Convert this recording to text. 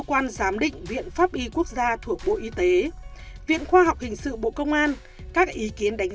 quan giám định viện pháp y quốc gia thuộc bộ y tế viện khoa học hình sự bộ công an các ý kiến đánh